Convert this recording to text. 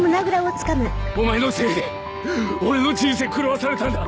お前のせいで俺の人生狂わされたんだ。